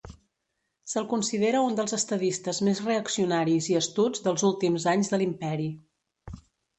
Se'l considera un dels estadistes més reaccionaris i astuts dels últims anys de l'imperi.